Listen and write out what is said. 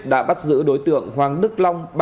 đã bắt giữ đối tượng hoàng đức long